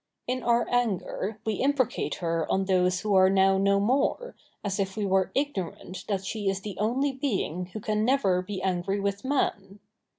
In our anger we imprecate her on those who are now no more, as if we were ignorant that she is the only being who can never be angry with man.